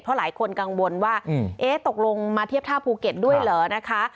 เพราะหลายคนกังวลว่าเอ๊ะตกลงมาเทียบท่าภูเก็ตด้วยเหรอนะคะ